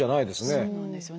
そうなんですよね。